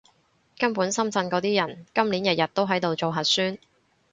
根本深圳嗰啲人，今年日日都喺度做核酸